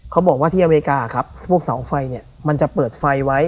เขาบอกว่าที่อเมริกาครับพวกเสาไฟเนี่ยมันจะเปิดไฟไว้